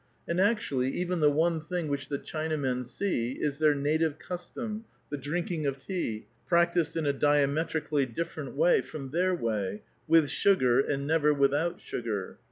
And actually, even the one thing which the Chinamen see, is their native custom, the drinking of tea, practised in a diametrically different way from their way, — with sugar, and never without sugar.